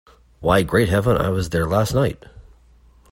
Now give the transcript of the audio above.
Why, great heaven, I was there last night!